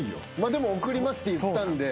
でも贈りますって言ったんで。